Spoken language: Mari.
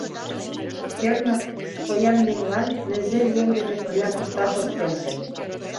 Кернак, поян еҥлан незер еҥ дене пырля кушташ ок келше.